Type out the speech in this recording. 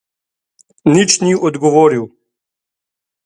Nič ni odgovoril.